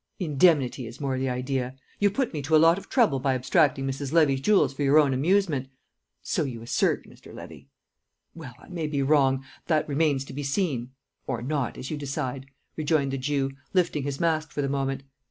"Indemnity is more the idea. You put me to a lot of trouble by abstracting Mrs. Levy's jewels for your own amusement " "So you assert, Mr. Levy." "Well, I may be wrong; that remains to be seen or not as you decide," rejoined the Jew, lifting his mask for the moment.